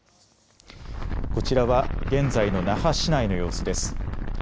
こちらは現在の那覇市内の様子です。